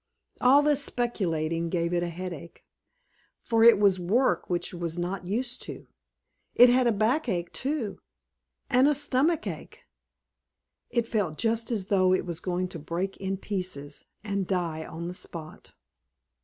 All this speculating gave it a headache, for it was work which it was not used to. It had a back ache too, and a stomach ache. It felt just as though it was going to break in pieces, and die on the spot.